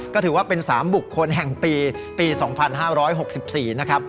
ก็ถือว่าเป็นสามบุคคลแห่งปีปีสองพันห้าร้อยหกสิบสี่นะครับ